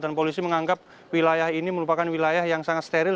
dan polisi menganggap wilayah ini merupakan wilayah yang sangat terkenal